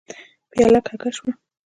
پياله کږه شوه.